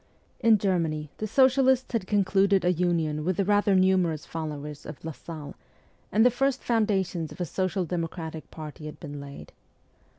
In Germany the social ists had concluded a union with the rather numerous followers of Lassalle, and the first foundations of a social democratic party had been laid.